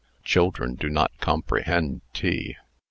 Children do not comprehend tea.